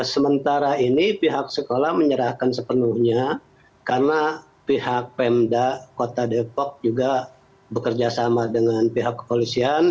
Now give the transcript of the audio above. sementara ini pihak sekolah menyerahkan sepenuhnya karena pihak pemda kota depok juga bekerja sama dengan pihak kepolisian